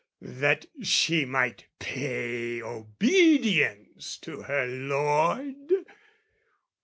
That she might pay obedience to her lord?